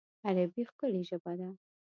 عربي ښکلی ژبه ده